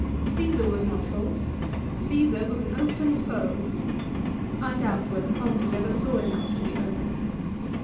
Csesar was not false. Csesar was an open foe. I doubt whether Pompey ever saw enough to be open.